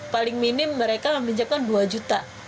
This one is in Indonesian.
paling minim mereka meminjamkan dua juta